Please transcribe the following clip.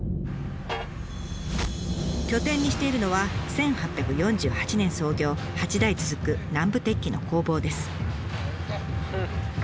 拠点にしているのは１８４８年創業８代続く南部鉄器の工房です。